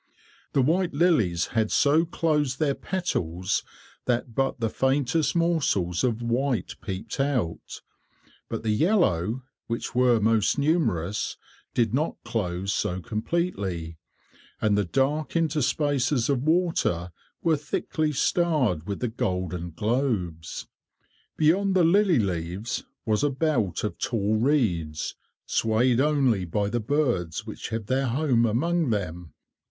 The white lilies had so closed their petals that but the faintest morsels of white peeped out; but the yellow, which were most numerous, did not close so completely, and the dark interspaces of water were thickly starred with the golden globes. Beyond the lily leaves was a belt of tall reeds, swayed only by the birds which have their home among them.